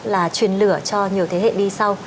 là truyền lửa cho nhiều thế hệ đi sau